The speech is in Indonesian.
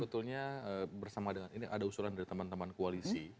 sebetulnya bersama dengan ini ada usulan dari teman teman koalisi